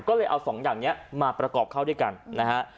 ก็เลยเอาสองอย่างนี้มาประกอบเข้าด้วยกันนะฮะ